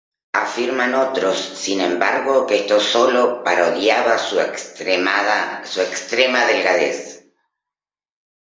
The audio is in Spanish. Afirman otros, sin embargo, que esto solo parodiaba su extrema delgadez.